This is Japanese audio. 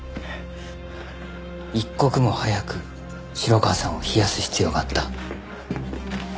一刻も早く城川さんを冷やす必要があった。